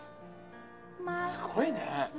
すごいね。